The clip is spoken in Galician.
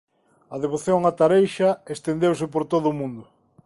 A devoción a Tareixa estendeuse por todo o mundo.